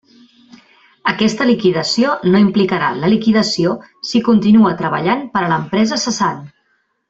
Aquesta liquidació no implicarà la liquidació si continua treballant per a l'empresa cessant.